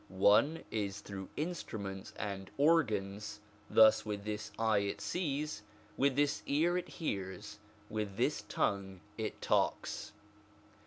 One way is through instruments and organs : thus with this eye it sees, with this ear it hears, with this tongue it talks.